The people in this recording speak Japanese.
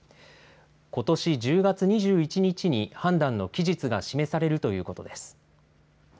ことし１０月２１日に判断の期日が示されるということです。